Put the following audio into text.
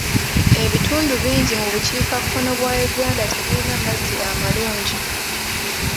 Ebitundu bingi mu bukiikakkono bwa Uganda tebiyina mazzi amalungi.